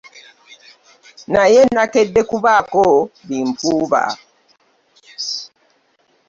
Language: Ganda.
Naye nakedde kubaako bimpuuba.